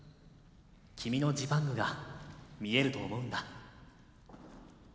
君のジパングが見えると思うんだ。